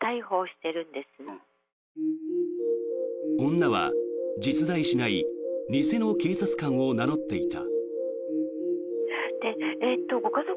女は、実在しない偽の警察官を名乗っていた。